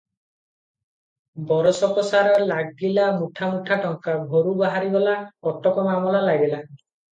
ବରଷକସାରା ଲାଗିଲା ମୁଠା ମୁଠା ଟଙ୍କା ଘରୁ ବାହାରିଗଲା, କଟକ ମାମଲା ଲାଗିଲା ।